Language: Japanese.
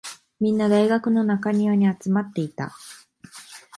みんな、大学の中庭に集まっていた。